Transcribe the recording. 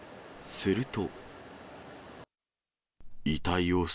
すると。